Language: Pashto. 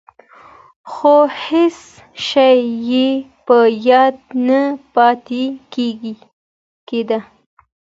خو هېڅ شی یې په یاد نه پاتې کېده.